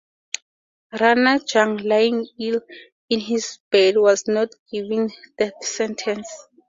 Rana Jang lying ill in his bed was not given death sentence.